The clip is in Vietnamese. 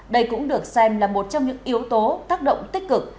đây cũng được xem là một trong những yếu tố tác động tích cực